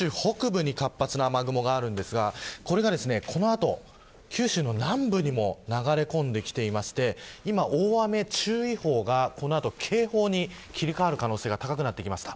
今、九州北部に活発な雨雲があるんですがこれがこの後、九州の南部にも流れ込んできていまして今、大雨注意報がこの後、警報に切り替わる可能性が高くなってきました。